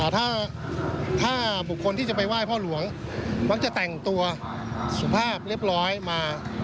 ถ้าบุคคลที่จะไปไหว้พ่อหลวงมักจะแต่งตัวสุภาพเรียบร้อยมา